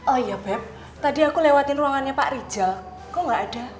oh iya beb tadi aku lewatin ruangannya pak rijal kok gak ada